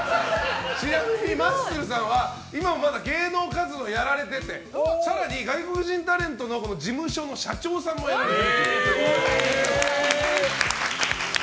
ちなみにマッスルさんは今もまだ芸能活動をやられてて更に、外国人タレントの事務所の社長さんもやられて。